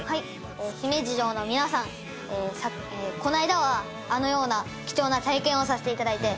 この間はあのような貴重な体験をさせていただいて。